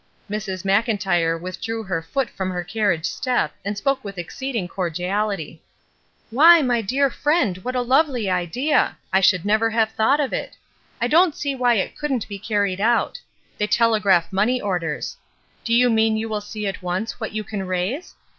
'' Mrs. Mclntyre withdrew her foot from her carriage step and spoke with exceeding cor diality :— ''Why, my dear friend, what a lovely idea! I should never have thought of it. I don't see why it couldn't be carried out. They tele graph money orders. Do you mean you will see at once what you can raise?